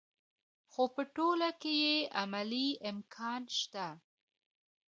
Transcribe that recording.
خو په ټوله کې یې عملي امکان شته.